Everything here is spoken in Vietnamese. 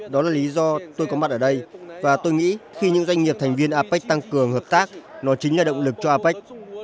đó là lý do tôi có mặt ở đây và tôi nghĩ khi những doanh nghiệp thành viên apec tăng cường hợp tác nó chính là động lực cho apec